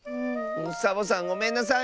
サボさんごめんなさい！